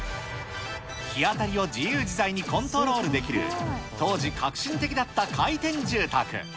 日当たりを自由に自在にコントロールできる、当時革新的だった回転住宅。